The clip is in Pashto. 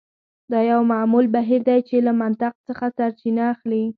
دا یو معمول بهیر دی چې له منطق څخه سرچینه اخلي